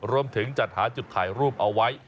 รวมถึงจัดหาจุดถ่ายรูปเอาไว้